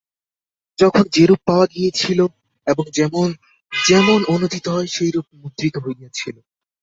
যখন যেরূপ পাওয়া গিয়াছিল এবং যেমন যেমন অনূদিত হয়, সেইরূপ মুদ্রিত হইয়াছিল।